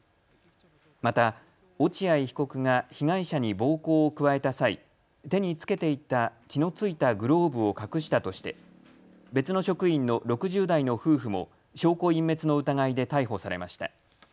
また落合被告が被害者に暴行を加えた際、手に着けていた血の付いたグローブを隠したとして別の職員の６０代の夫婦も証拠隠滅の疑いで逮捕されました。